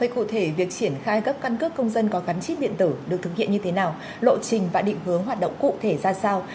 cụ thể việc triển khai cấp căn cước công dân có gắn chip điện tử được thực hiện như thế nào lộ trình và định hướng hoạt động cụ thể ra sao